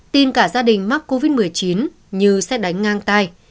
tin cả gia đình mắc covid một mươi chín như xét đánh ngang tay